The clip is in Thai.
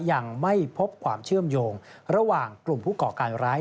ยังไม่พบความเชื่อมโยงระหว่างกลุ่มผู้ก่อการร้าย